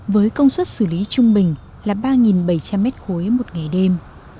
với công suất xử lý trung bình là ba bảy trăm linh mét khối một ngày đêm